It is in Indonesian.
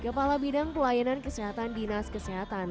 kepala bidang pelayanan kesehatan dinas kesehatan